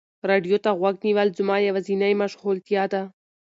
راډیو ته غوږ نیول زما یوازینی مشغولتیا ده.